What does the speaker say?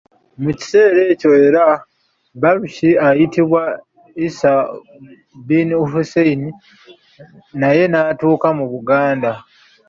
Mu kiseera ekyo era, Balushi, ayitibwa Isa bin Hussein, naye n'atuuka mu Buganda.